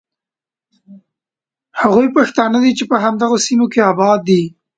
هغوی پښتانه دي چې په همدغو سیمو کې آباد دي.